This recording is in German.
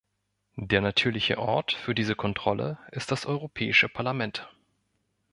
Der natürliche Ort für diese Kontrolle ist das Europäische Parlament.